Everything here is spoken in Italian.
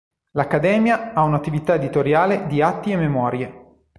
L'accademia ha un'attività editoriale di "Atti e Memorie".